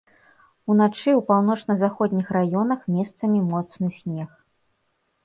Уначы ў паўночна-заходніх раёнах месцамі моцны снег.